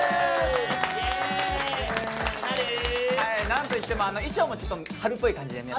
なんといっても衣装もちょっと春っぽい感じでね